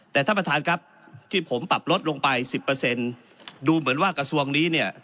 แต่ท่านประธานครับที่ผมปรับลดลงไป๑๐ดูเหมือนว่ากระทรวงนี้เนี่ย